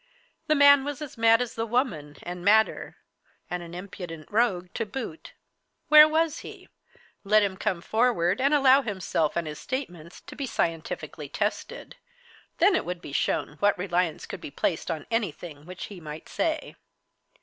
The man was as mad as the woman, and madder; and an impudent rogue to boot. Where was he? Let him come forward, and allow himself and his statements to be scientifically tested. Then it would be shown what reliance could be placed on anything which he might say.